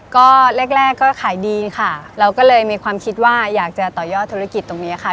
ก็แรกก็ขายดีค่ะเราก็เลยมีความคิดว่าอยากจะต่อยอดธุรกิจตรงนี้ค่ะ